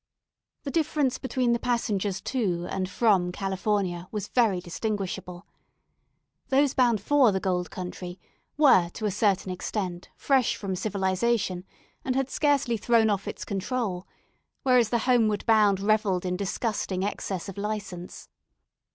The difference between the passengers to and from California was very distinguishable. Those bound for the gold country were to a certain extent fresh from civilization, and had scarcely thrown off its control; whereas the homeward bound revelled in disgusting excess of licence.